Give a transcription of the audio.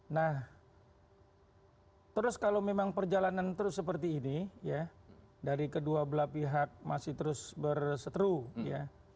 nah terus kalau memang perjalanan terus seperti ini ya dari kedua belah pihak masih terus berseteru ya